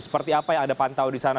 seperti apa yang anda pantau di sana